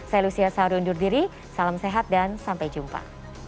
saya lucia saharu undur diri salam sehat dan sampai jumpa